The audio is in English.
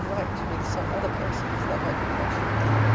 273 right with some other persons that I could mention.